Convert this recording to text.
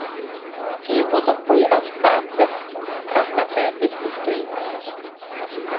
Quiimotoj coi hant táhajca x, hant hapeetij quij toii imiifin.